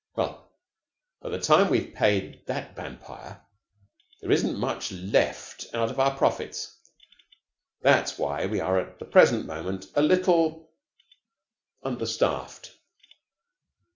Well, by the time we've paid that vampire, there isn't much left out of our profits. That's why we are at the present moment a little understaffed."